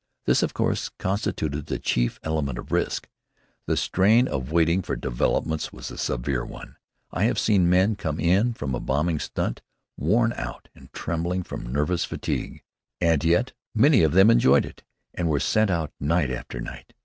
This, of course, constituted the chief element of risk. The strain of waiting for developments was a severe one. I have seen men come in from a "bombing stunt" worn out and trembling from nervous fatigue. And yet many of them enjoyed it, and were sent out night after night.